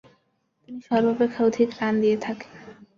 তিনি সর্বাপেক্ষা অধিক রান দিয়ে থাকেন।